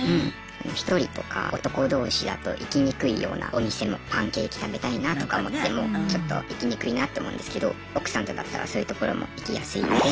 １人とか男同士だと行きにくいようなお店もパンケーキ食べたいなとか思ってもちょっと行きにくいなって思うんですけど奥さんとだったらそういうところも行きやすいので。